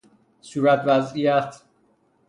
صورت وضعیت